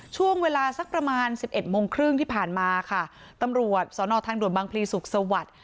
ช่วงเวลาสักประมาณสิบเอ็ดโมงครึ่งที่ผ่านมาค่ะตำรวจสอนอทางด่วนบางพลีสุขสวัสดิ์